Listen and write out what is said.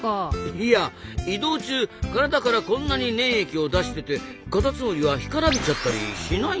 いや移動中体からこんなに粘液を出しててカタツムリは干からびちゃったりしないんですかねえ？